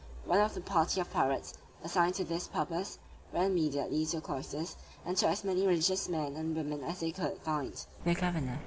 One of the party of pirates, assigned to this purpose, ran immediately to the cloisters, and took as many religious men and women as they could find.